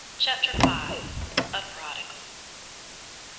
CHAPTER V. A PRODIGAL.